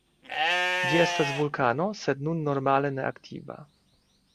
Ĝi estas vulkano, sed nun normale ne aktiva.